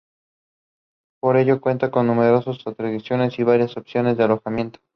Por ello cuenta con numerosas atracciones y varias opciones de alojamiento.